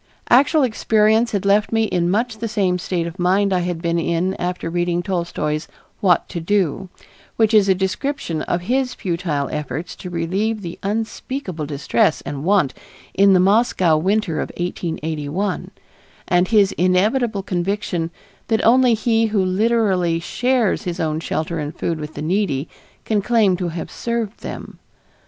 Actual experience had left me in much the same state of mind I had been in after reading Tolstoy's "What to Do," which is a description of his futile efforts to relieve the unspeakable distress and want in the Moscow winter of 1881, and his inevitable conviction that only he who literally shares his own shelter and food with the needy can claim to have served them.